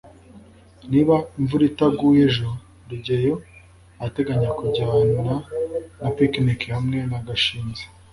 niba imvura itaguye ejo, rugeyo arateganya kujyana na picnic hamwe na gashinzi